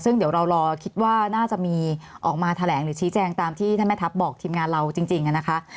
ซึ่งเดี๋ยวเรารอคิดว่าน่าจะมีออกมาแถลงหรือชี้แจงตามที่ท่านแม่ทัพบอกทีมงานเราจริงนะคะ